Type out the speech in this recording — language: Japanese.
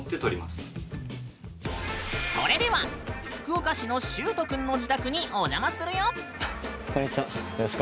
それでは福岡市のしゅうと君の自宅にお邪魔するよ。